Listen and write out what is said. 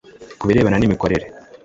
ko ibirebana n’imikorere